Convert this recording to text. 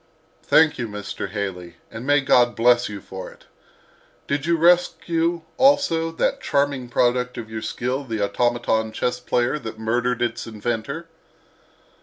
"Thank you, Mr. Haley, and may God bless you for it. Did you rescue, also, that charming product of your skill, the automaton chess player that murdered its inventor?"